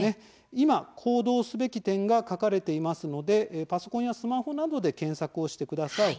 今、行動すべき点が書かれていますのでパソコンやスマホなどで検索をしてください。